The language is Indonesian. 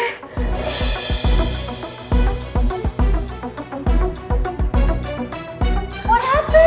apa yang terjadi